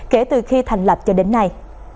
kể từ khi thành lập cho đến nay